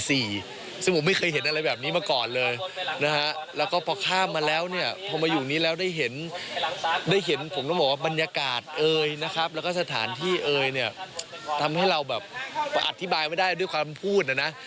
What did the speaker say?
สถานที่เอ๋ยนะครับแล้วก็สถานที่เอ๋ยเนี่ยทำให้เราแบบอธิบายไม่ได้ด้วยความพูดนะนะ